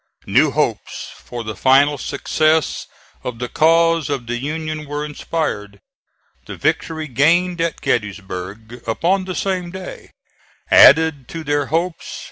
New hopes for the final success of the cause of the Union were inspired. The victory gained at Gettysburg, upon the same day, added to their hopes.